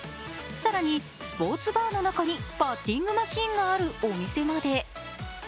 更にスポーツバーの中にバッティングマシンがあるお店まで。